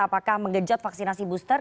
apakah mengejot vaksinasi booster